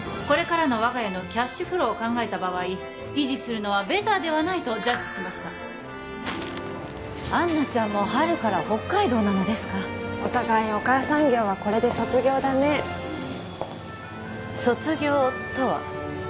これからの我が家のキャッシュフローを考えた場合維持するのはベターではないとジャッジしましたアンナちゃんも春から北海道なのですかお互いお母さん業はこれで卒業だね卒業とは？